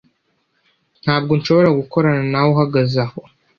Ntabwo nshobora gukorana nawe uhagaze aho.